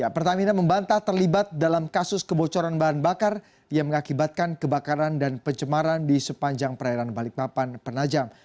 pertamina membantah terlibat dalam kasus kebocoran bahan bakar yang mengakibatkan kebakaran dan pencemaran di sepanjang perairan balikpapan penajam